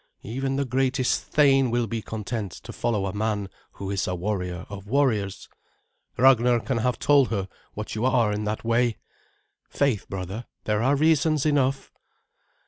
Even the greatest thane will be content to follow a man who is a warrior of warriors. Ragnar can have told her what you are in that way. Faith, brother, there are reasons enough."